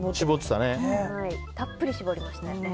たっぷり搾りましたよね。